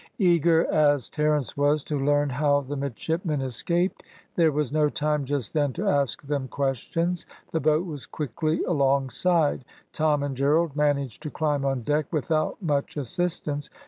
Eager as Terence was to learn how the midshipmen escaped, there was no time just then to ask them questions. The boat was quickly alongside; Tom and Gerald managed to climb on deck without much assistance.